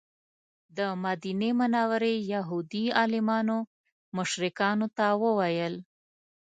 د مدینې منورې یهودي عالمانو مشرکانو ته وویل.